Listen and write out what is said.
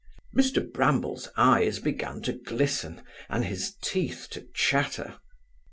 Mr Bramble's eyes began to glisten, and his teeth to chatter.